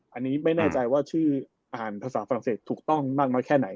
อันนี้ไม่แน่ใจว่าชื่ออ่านภาษาฝรั่งเศสถูกต้องมากน้อยแค่ไหน